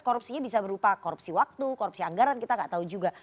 korupsinya bisa berupa korupsi waktu korupsi anggaran kita nggak tahu juga